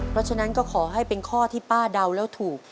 เพราะฉะนั้นก็ขอให้เป็นข้อที่ป้าเดาแล้วถูก